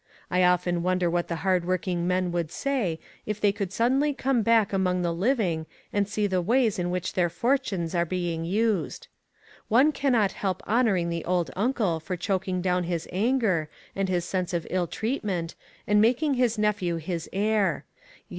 I often wonder what the hard working men would say if they could suddenly come back among the living and see the ways in which their fortunes are being used. One cannot help honoring the old uncle for choking down his anger and his sense of ill treat ment, and making his nephew his heir; yet 44O ONE COMMONPLACE DAY.